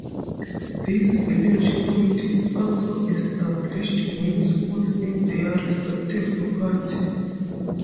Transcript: These village committees also established many schools in their respective locality.